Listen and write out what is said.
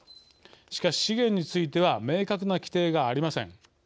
しかし資源については明確な規定がありません。